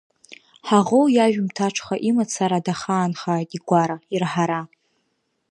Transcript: Ҳаӷоу иажәымҭаҽха имацара даахаанхааит игәара, ирҳара!